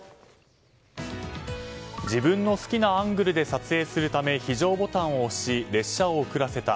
自分の好きなアングルで撮影するため非常ボタンを押し列車を遅らせた。